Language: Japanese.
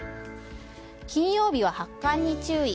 金曜日は発汗に注意。